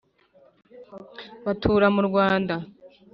Batura mu Rwanda;